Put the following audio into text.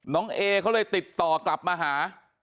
น้องเอเขาเลยติดต่อกลับมาหา